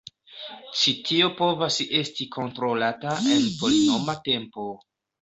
Ĉi tio povas esti kontrolata en polinoma tempo.